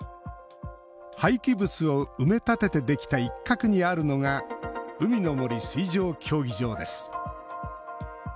廃棄物を埋め立ててできた一角にあるのが海の森水上競技場です